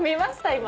今。